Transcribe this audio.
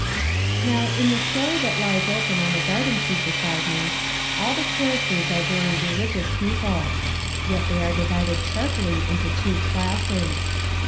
II Now, in the story that lies open on the garden seat beside me, all the characters are very religious people. Yet they are divided sharply into two classes.